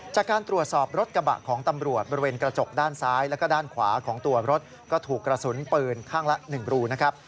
จากการตรวจสอบรถกระบะของตำรวจบริเวณกระจกด้านซ้ายแล้วก็ด้านขวาของตัวรถก็ถูกกระสุนปืนข้างละ๑รูนะครับ